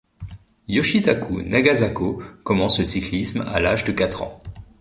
Yoshitaku Nagasako commence le cyclisme à l'âge de quatre ans.